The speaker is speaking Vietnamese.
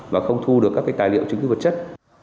và không thu được các cái tài liệu chứng cứ vật chất